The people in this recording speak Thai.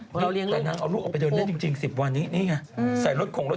ตอนนี้เวลาฝนตกหรือถ้าอาบน้ำเย็นไม่ได้ตั้งตัว